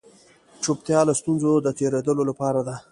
چوپتيا له ستونزو د تېرېدلو لپاره